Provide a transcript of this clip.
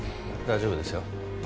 大丈夫ですよ。